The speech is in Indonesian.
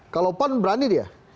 kalau pan berani dia